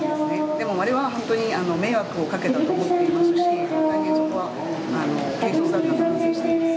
でも、あれは本当に迷惑をかけたと思っていますし、大変そこは軽率だったと反省しております。